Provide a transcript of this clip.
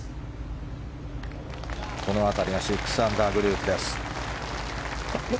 この辺りは６アンダーグループです。